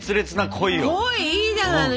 恋いいじゃないの。